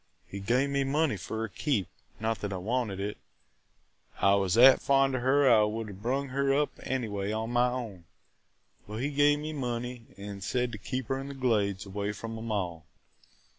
He gave me money for her keep – not that I wanted it, – I was that fond of her I would 'a' brung her up anyway as my own. But he gave me money an' said to keep her in the Glades away from 'em all.